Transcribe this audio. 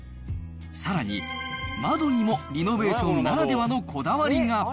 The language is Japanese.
さらに、窓にもリノベーションならではのこだわりが。